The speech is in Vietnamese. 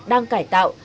đang cải tạo